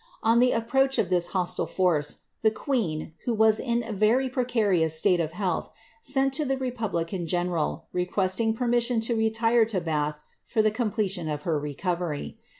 On the ap t»ch of this hostile force, the queen, who was in a very precarious ite of health, sent to the republican general, requesting permission to tire to Bath for the completion of her recovery.